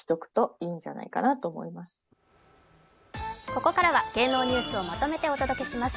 ここからは芸能ニュースをまとめてお届けします。